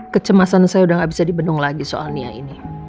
kecemasan saya udah gak bisa dibendung lagi soal nia ini